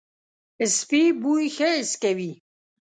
سپي بوی ښه حس کوي.